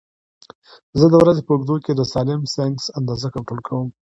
زه د ورځې په اوږدو کې د سالم سنکس اندازه کنټرول کوم.